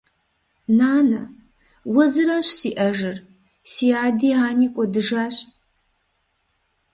Нанэ… Уэ зыращ сиӀэжыр, си ади ани кӀуэдыжащ.